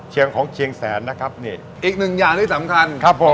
ของเชียงแสนนะครับนี่อีกหนึ่งอย่างที่สำคัญครับผม